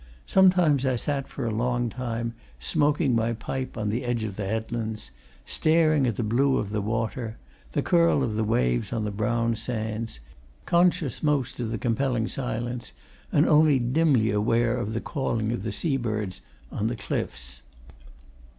Sometimes I sat for a long time, smoking my pipe on the edge of the headlands, staring at the blue of the water, the curl of the waves on the brown sands, conscious most of the compelling silence, and only dimly aware of the calling of the sea birds on the cliffs.